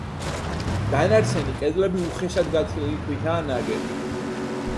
დანარჩენი კედლები უხეშად გათლილი ქვითაა ნაგები.